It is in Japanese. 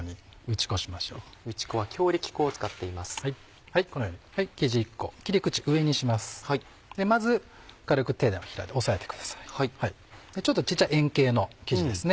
ちょっと小っちゃい円形の生地ですね。